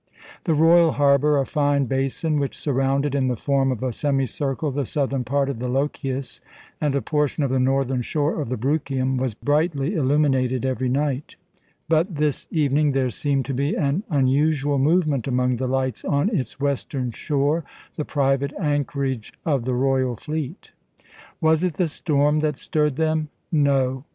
The royal harbour, a fine basin which surrounded in the form of a semicircle the southern part of the Lochias and a portion of the northern shore of the Bruchium, was brightly illuminated every night; but this evening there seemed to be an unusual movement among the lights on its western shore, the private anchorage of the royal fleet. Was it the storm that stirred them? No.